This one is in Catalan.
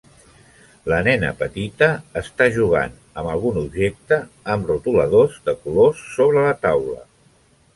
La nena petita està jugant amb algun objecte amb retoladors de colors sobre la taula.